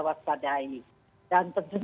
swast padai dan